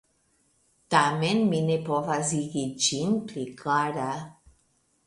Tamen mi ne povas igi ĝin pli klara.